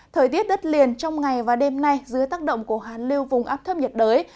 thời tiết đất liền trong ngày và đêm nay dưới tác động của hàn lưu vùng áp thấp nhiệt đới